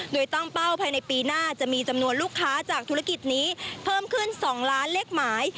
โดยตั้งเป้าภายในปีหน้าจะมีจำนวนลูกค้าจากธุรกิจนี้เพิ่มขึ้น๒ล้านเลขหมาย